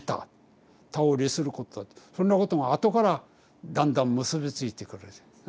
そんなことがあとからだんだん結び付いてくるんです。